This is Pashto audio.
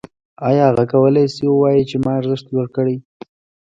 آیا هغه کولی شي ووايي چې ما ارزښت لوړ کړی